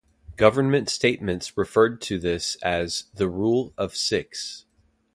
Government statements referred to this as "the rule of six".